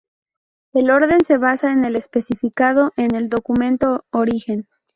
El orden se basa en el especificado en el documento origen.